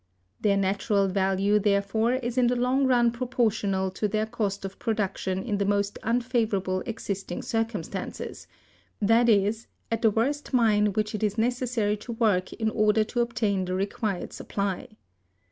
Their natural value, therefore, is in the long run proportional to their cost of production in the most unfavorable existing circumstances, that is, at the worst mine which it is necessary to work in order to obtain the required supply.